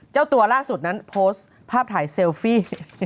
เจ้าตัวล่าสุดนั้นโพสต์ภาพถ่ายเซลฟี่